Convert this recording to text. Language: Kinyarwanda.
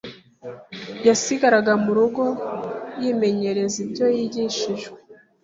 yasigaraga mu rugo yimenyereza ibyo yigishijwe,